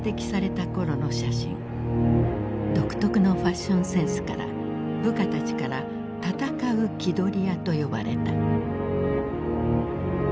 独特のファッションセンスから部下たちから「戦う気取り屋」と呼ばれた。